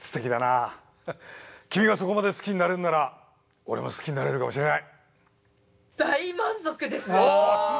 君がそこまで好きになれるなら俺も好きになれるかもしれない。